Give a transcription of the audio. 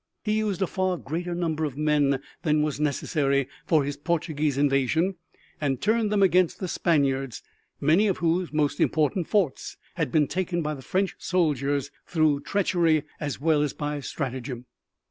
He used a far greater number of men than was necessary for his Portuguese invasion, and turned them against the Spaniards, many of whose most important forts had been taken by the French soldiers through treachery as well as by stratagem.